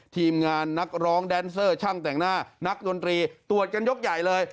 ทีมงานนักร้องแดนเซอร์ช่างแต่งหน้านักดนตรีตรวจกันยกใหญ่เลย